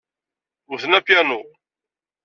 Wten apyanu.